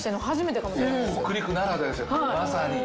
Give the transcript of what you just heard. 北陸ならではですよまさに。